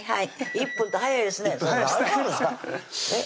１分早いですねえっ？